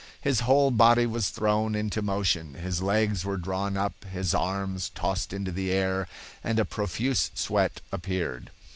His whole body was thrown into motion, his legs were drawn up, his arms tossed into the air, and a profuse sweat appeared.